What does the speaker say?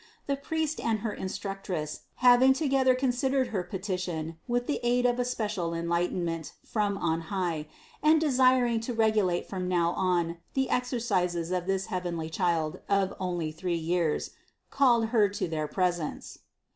The priest and her instructress, having together considered her petition with the aid of a special enlighten ment from on high and desiring to regulate from now on the exercises of this heavenly Child of only three years, called Her to their presence.